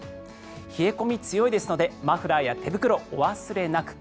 冷え込みが強いですのでマフラーや手袋をお忘れなく。